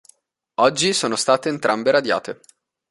Oggi sono state entrambe radiate.